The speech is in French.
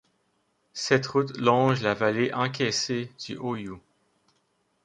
Cette route longe la vallée encaissée du Hoyoux.